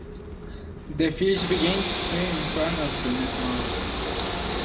The fish begin to swim in front of the net mouth.